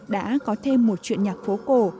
đã có thêm một chuyện nhạc phố cổ